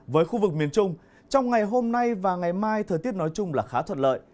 với khu vực miền trung trong ngày hôm nay và ngày mai thời tiết nói chung là khá thuận lợi